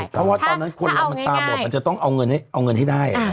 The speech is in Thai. เพราะว่าตอนนั้นคนเรามันตาบอดมันจะต้องเอาเงินให้ได้